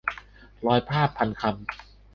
ร้อยภาพ-พันคำ